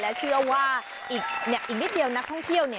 และเชื่อว่าอีกนิดเดียวนักท่องเที่ยวเนี่ย